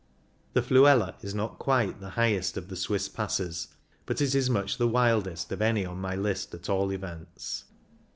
The Fluela is not quite the highest of the Swiss Passes, but it is much the wildest, of any on my list at all events.